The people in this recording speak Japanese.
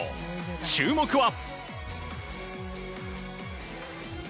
注目は。